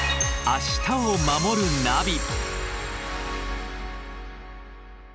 「明日をまもるナビ」